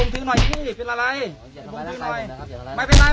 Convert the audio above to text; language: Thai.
หารอาลัยแยกส๗๕๑นิตยา